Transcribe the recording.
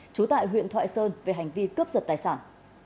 trú tại huyện thoại sơn về hành vi cướp giật tài sản